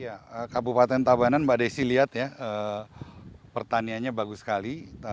ya kabupaten tabanan mbak desi lihat ya pertaniannya bagus sekali